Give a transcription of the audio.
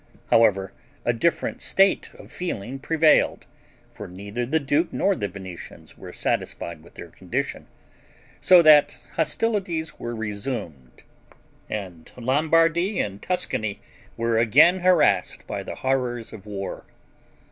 However, a different state of feeling prevailed, for neither the duke nor the Venetians were satisfied with their condition; so that hostilities were resumed, and Lombardy and Tuscany were again harassed by the horrors of war.